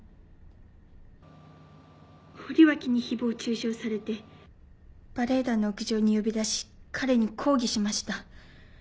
堀脇に誹謗中傷されてバレエ団の屋上に呼び出し彼に抗議しました。